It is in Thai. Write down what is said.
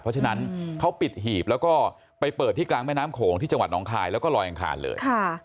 เพราะฉะนั้นเขาปิดหีบแล้วก็ไปเปิดที่กลางแม่น้ำโขงที่จังหวัดน้องคายแล้วก็ลอยอังคารเลย